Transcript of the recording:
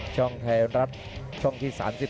ช่องไทยอำรัชช่องที่๓๒